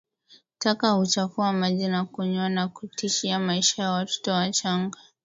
Taka huchafua maji ya kunywa na kutishia maisha ya watoto wachanga